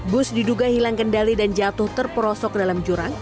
bus diduga hilang kendali dan jatuh terperosok dalam jurang